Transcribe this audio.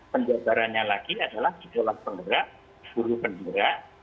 pendidikarannya lagi adalah dijelaskan berat guru berat